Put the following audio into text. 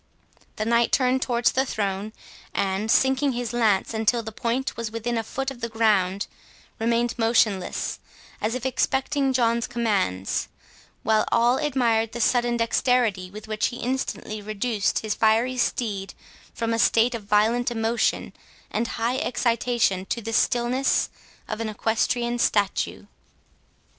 The Knight turned towards the throne, and, sinking his lance, until the point was within a foot of the ground, remained motionless, as if expecting John's commands; while all admired the sudden dexterity with which he instantly reduced his fiery steed from a state of violent emotion and high excitation to the stillness of an equestrian statue.